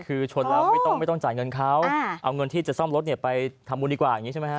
คือชนแล้วไม่ต้องจ่ายเงินเขาเอาเงินที่จะซ่อมรถเนี่ยไปทำบุญดีกว่าอย่างนี้ใช่ไหมฮ